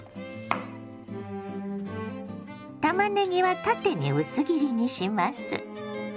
たまねぎは縦に薄切りにします。